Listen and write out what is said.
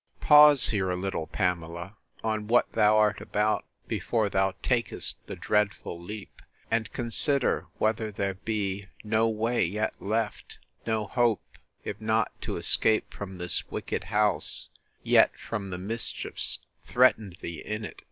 Pause here a little, Pamela, on what thou art about, before thou takest the dreadful leap; and consider whether there be no way yet left, no hope, if not to escape from this wicked house, yet from the mischiefs threatened thee in it.